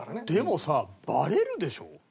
でもさバレるでしょ？